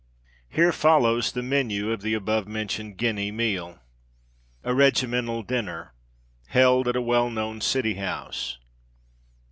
Here follows the menu of the above mentioned guinea meal, A Regimental Dinner, held at a well known city house.